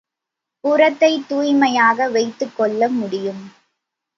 புறத்தைத் தூய்மையாக வைத்துக்கொள்ள முடியும்.